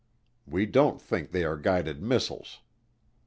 We don't think they are guided missiles."